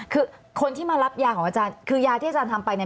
คือคนที่มารับยาของอาจารย์คือยาที่อาจารย์ทำไปเนี่ย